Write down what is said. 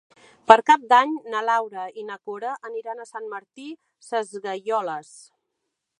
Per Cap d'Any na Laura i na Cora aniran a Sant Martí Sesgueioles.